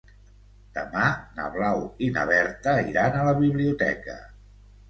Demà na Blau i na Berta iran a la biblioteca.